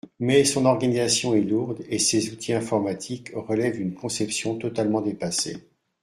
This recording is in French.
Mais son organisation est lourde et ses outils informatiques relèvent d’une conception totalement dépassée.